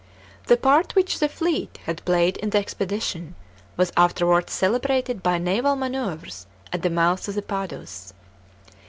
The part which the fleet had played in the expedition was afterwards celebrated by naval manoeuvres at the mouth of the Padus.